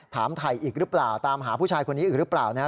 ถามไถ่อีกรึเปล่าตามหาผู้ชายคนนี้อีกรึเปล่านะ